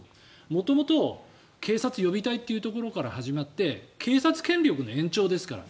元々、警察予備隊というところから始まって警察権力の延長ですから。